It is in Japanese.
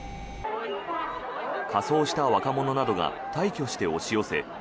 仮装した若者などが大挙して押し寄せ